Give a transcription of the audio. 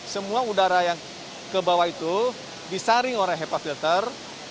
semua udara yang ke bawah itu disaring oleh hepa filter